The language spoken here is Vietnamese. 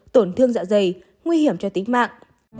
tổn thương dạ dày nguy hiểm cho tính mạng